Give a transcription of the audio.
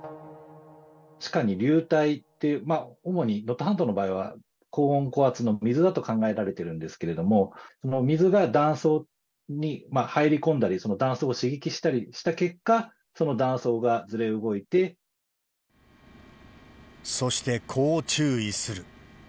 地下に流体っていう、主に能登半島の場合は高温、高圧の水だと考えられてるんですけれども、その水が断層に入り込んだり、断層を刺激したりした結果、その断層がずれ動いてそしてこう注意する。